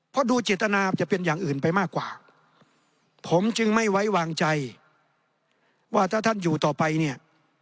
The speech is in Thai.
เพราะดูเจตนาจะเป็นอย่างอื่นไปมากกว่าผมจึงไม่ไว้วางใจว่าถ้าท่านอยู่ต่อไปเนี่ย